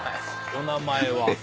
お名前は？